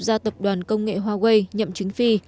ra tập đoàn công nghệ huawei nhậm chứng phi